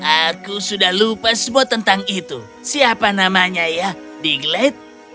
aku sudah lupa sebut tentang itu siapa namanya ya diglet